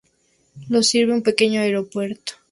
Lo sirve un pequeño aeropuerto.